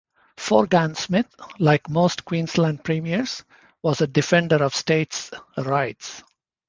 Forgan Smith, like most Queensland Premiers, was a defender of states' rights.